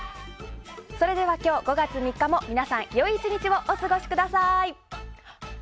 それでは今日５月３日も皆さん良い１日をお過ごしください。